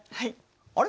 あれ？